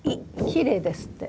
きれいですって。